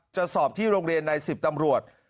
สอบที่โรงเรียนใน๑๐ตำรวจ